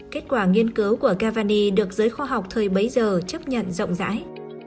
kết quả nghiên cứu của cavani được giới khoa học thời bấy giờ chấp nhận rộng rãi